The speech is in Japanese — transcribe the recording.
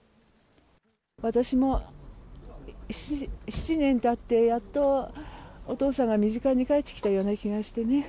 私も７年たって、やっとお父さんが身近に帰ってきたような気がしてね。